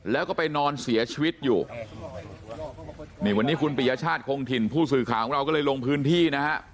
แล้วก็ไปนอนเสียชีวิตอยู่นี่วันนี้คุณปริยชาติคงถิ่นผู้สื่อข่าวของเราก็เลยลงพื้นที่นะฮะ